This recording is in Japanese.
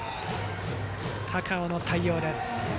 高尾の対応です。